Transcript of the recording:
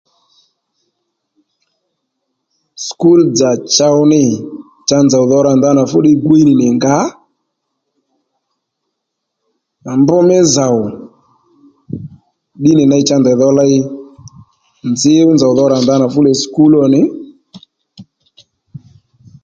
Skul dza chow nî cha nzòw dho rà ndanà fú ddiy gwiy nì nì ngǎ mbr mí zòw ddí nì ney cha ndèy dho ley nzǐ fú nzòw dho ra ndanà fule skul ò nì